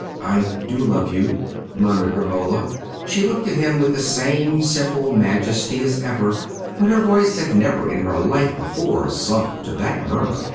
"I do love you," murmured Romola; she looked at him with the same simple majesty as ever, but her voice had never in her life before sunk to that murmur.